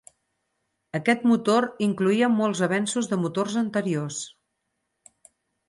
Aquest motor incloïa molts avenços de motors anteriors.